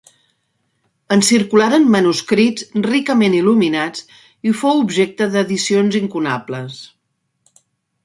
En circularen manuscrits ricament il·luminats i fou objecte d'edicions incunables.